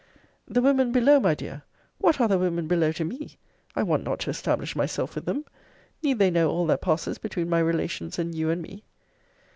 The women below, my dear What are the women below to me? I want not to establish myself with them. Need they know all that passes between my relations and you and me?